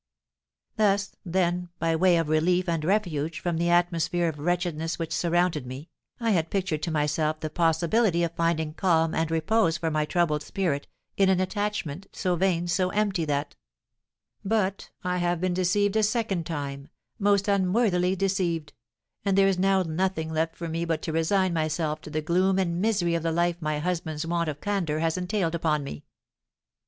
Thus, then, by way of relief and refuge from the atmosphere of wretchedness which surrounded me, I had pictured to myself the possibility of finding calm and repose for my troubled spirit in an attachment, so vain, so empty, that But I have been deceived a second time, most unworthily deceived; and there is now nothing left for me but to resign myself to the gloom and misery of the life my husband's want of candour has entailed upon me.